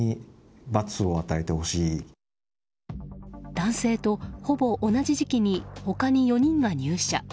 男性とほぼ同じ時期に他に４人が入社。